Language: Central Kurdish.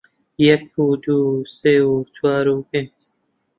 یەک و دوو و سێ و چوار و پێنج